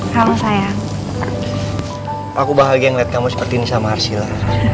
kamu sayang aku bahagia ngeliat kamu seperti ini sama arsila